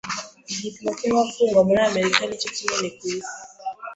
Igipimo cy’abafungwa muri Amerika nicyo kinini ku isi.